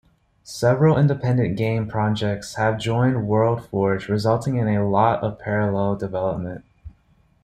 Several independent game projects have joined WorldForge, resulting in a lot of parallel development.